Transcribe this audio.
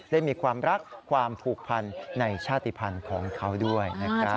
ได้มีความรักความผูกพันในชาติภัณฑ์ของเขาด้วยนะครับ